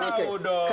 keadilan ada tercecer